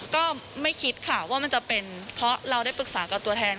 ก็ไม่คิดค่ะว่ามันจะเป็นเพราะเราได้ปรึกษากับตัวแทน